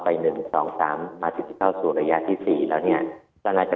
ไปหนึ่งสองสามมาสี่สี่เท่าสู่ระยะที่สี่แล้วเนี่ยก็น่าจะ